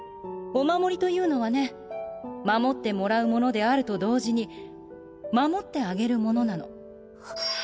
お守りというのはね守ってもらうものであると同時に守ってあげるものなの